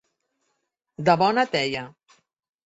De bona teia.